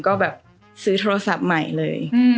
ก็แบบซื้อโทรศัพท์ใหม่เลย